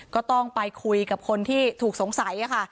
ก็ต้องไปคุยกับคนที่ถูกสงสัยค่ะ